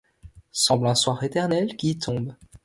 Semble un soir éternel gui tombe